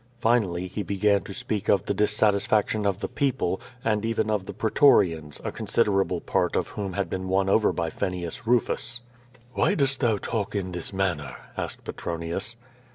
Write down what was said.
Finally, he began to speak of the dissatisfaction of the people, and even of the pretorians, a considerable part of whom had been won over by Fenius Rufus. "Why dost thou talk in this manner?" asked Petronius.